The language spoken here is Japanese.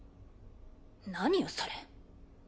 何よそれ。